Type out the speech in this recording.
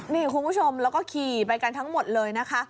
นี่คุณผู้ชมแล้วก็ขี่ไปกันทั้งหมดเลยนะคะ